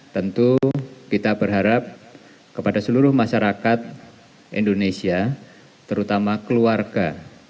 tentu kita berharap kepada seluruh masyarakat indonesia terutama keluarga